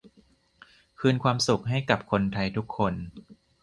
คืนความสุขให้กับคนไทยทุกคน